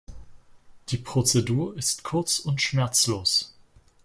Die Prozedur ist kurz und schmerzlos.